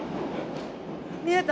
見えた？